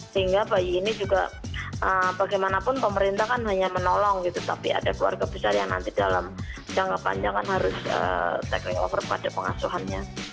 sehingga bayi ini juga bagaimanapun pemerintah kan hanya menolong gitu tapi ada keluarga besar yang nanti dalam jangka panjang kan harus takeling over pada pengasuhannya